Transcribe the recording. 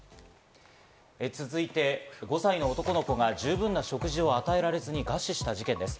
続いて５歳の男の子が十分な食事を与えられず餓死した事件です。